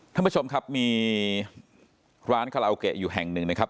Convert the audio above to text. ท่านผู้ชมครับมีร้านคาราโอเกะอยู่แห่งหนึ่งนะครับ